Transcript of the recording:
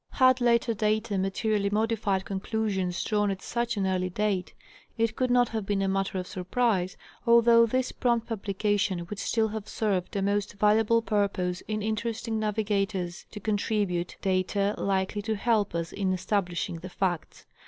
Had later data materially modified conclusions drawn at such an early date, it could not have been a matter of surprise, although this prompt publication would still have served a most valuable purpose in interesting navigators to contribute data likely to help us in establishing the facts.